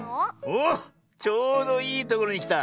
おっちょうどいいところにきた。